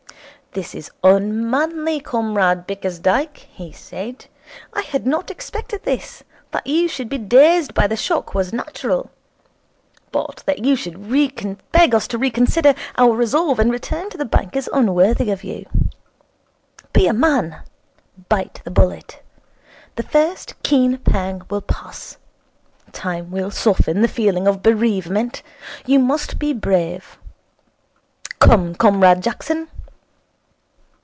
'This is unmanly, Comrade Bickersdyke,' he said. 'I had not expected this. That you should be dazed by the shock was natural. But that you should beg us to reconsider our resolve and return to the bank is unworthy of you. Be a man. Bite the bullet. The first keen pang will pass. Time will soften the feeling of bereavement. You must be brave. Come, Comrade Jackson.'